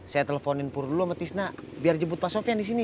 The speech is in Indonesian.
saya teleponin pur dulu sama tisna biar jemput pak sofian di sini